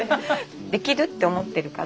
できるって思ってるから。